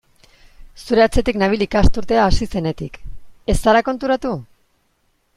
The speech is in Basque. Zure atzetik nabil ikasturtea hasi zenetik, ez zara konturatu?